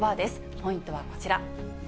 ポイントはこちら。